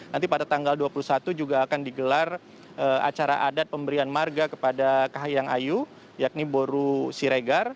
nanti pada tanggal dua puluh satu juga akan digelar acara adat pemberian marga kepada kahayang ayu yakni boru siregar